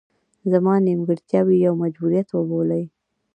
زما نیمګړتیاوې یو مجبوریت وبولي.